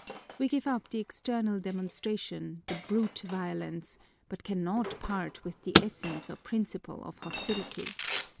We give up the external demonstration, the brute violence, but cannot part with the essence or principle of hostility.